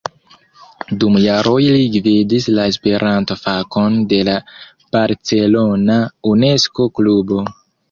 Dum jaroj li gvidis la Esperanto-fakon de la barcelona Unesko-klubo.